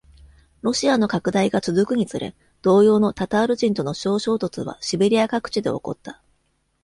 ロシアの拡大が続くにつれ、同様のタタール人との小衝突はシベリア各地で起こった。